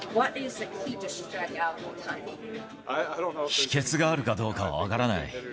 秘けつがあるかどうかは分からない。